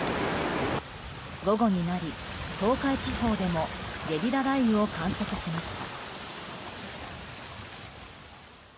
午後になり東海地方でもゲリラ雷雨を観測しました。